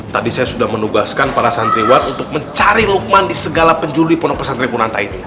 tadi saya sudah menugaskan para santriwat untuk mencari lukman di segala penjuri ponok pesantri punantai ini